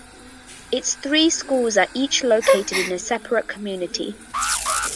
Its three schools are each located in a separate community.